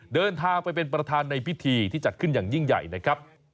เดินทางไปเป็นประธานในพิธีที่จัดขึ้นอย่างยิ่งใหญ่นะครับ